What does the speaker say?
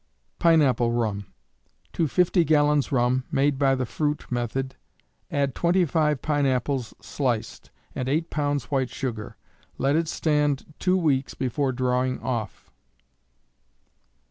Pine Apple Rum. To 50 gallons rum, made by the fruit method, add 25 pine apples sliced, and 8 pounds white sugar. Let it stand two weeks before drawing off.